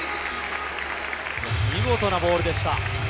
見事なボールでした。